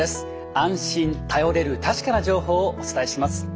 安心頼れる確かな情報をお伝えします。